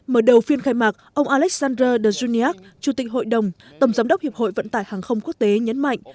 mở đầu phiên khai mạc ông alexander dejuniak chủ tịch hội đồng tổng giám đốc hiệp hội vận tải hàng không quốc tế nhấn mạnh